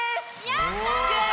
やった！